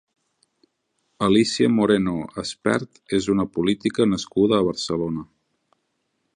Alícia Moreno Espert és una política nascuda a Barcelona.